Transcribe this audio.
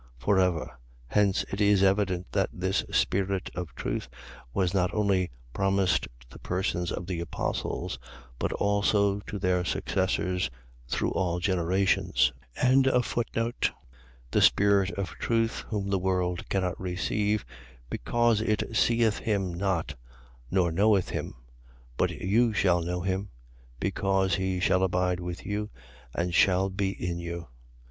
For ever. . .Hence it is evident that this Spirit of Truth was not only promised to the persons of the apostles, but also to their successors through all generations. 14:17. The spirit of truth, whom the world cannot receive, because it seeth him not, nor knoweth him. But you shall know him; because he shall abide with you and shall be in you.